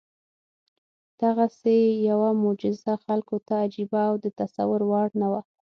دغسې یوه معجزه خلکو ته عجیبه او د تصور وړ نه وه.